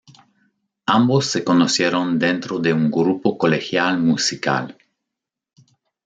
Ambos se conocieron dentro de un grupo colegial musical.